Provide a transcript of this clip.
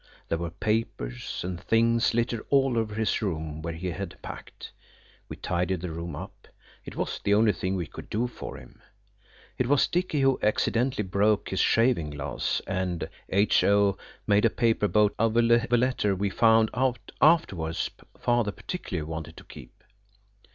There were papers and things littered all over his room where he had packed. We tidied the room up–it was the only thing we could do for him. It was Dicky who accidentally broke his shaving glass, and H.O. made a paper boat out of a letter we found out afterwards Father particularly wanted to keep.